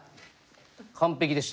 完璧でしたよ。